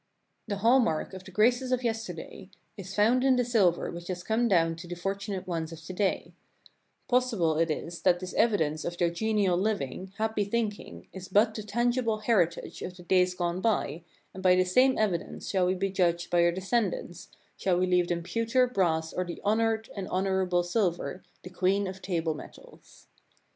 The "hall mark" of the graces of yesterday is found in the silver which has come down to the fortunate ones of to day. Possible it is that this evidence of their genial living, happy thinking, is but The blue glass lined Sugar Basket of Adam design; most popular in Colonial days [I?] but the tangible heritage of the days gone by, and by the same evidence shall we be judged by our de scendants, shall we leave them pewter, brass, or the honored and honorable silver, the queen of table metals.